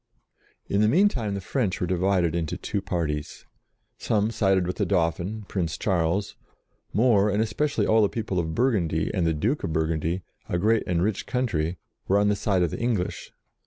In the meantime the French were divided into two parties. Some sided with the Dauphin, Prince Charles; more, and especi ally all the people of Burgundy, and the Duke of Burgundy, a great and rich country, were on the side of the English.